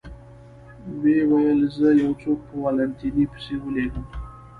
ویې ویل: زه به یو څوک په والنتیني پسې ولېږم.